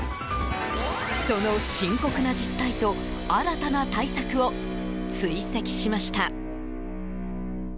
その深刻な実態と新たな対策を追跡しました。